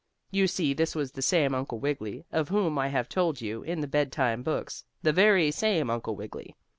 You see this was the same Uncle Wiggily, of whom I have told you in the Bedtime Books the very same Uncle Wiggily.